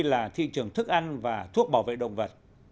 là thị trường thức ăn và thuốc bảo vệ động vật